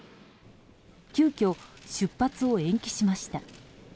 急きょ、出発を延期しました。